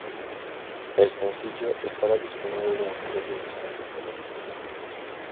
El sencillo estará disponible en tres ediciones diferentes.